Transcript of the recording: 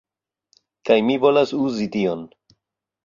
Kaj mi volas uzi tion